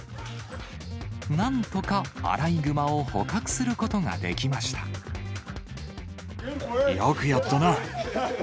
なんとかアライグマを捕獲すよくやったな！